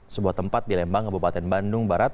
sebuah tempat di lembang kabupaten bandung barat